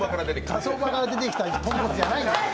火葬場から出てきた豚骨じゃないんですよ！